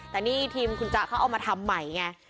แต่นี่ทีมคุณจ๊ะเขาเอามาทำใหม่ไง